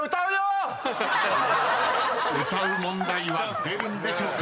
［歌う問題は出るんでしょうか。